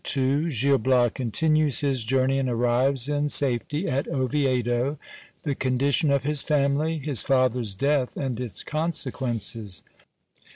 — Gil Bias continues his joicrney, and arrives in safety at Oviedo. The condition of his family. His father 's death, and its consequences.